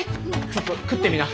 ちょっと食ってみな。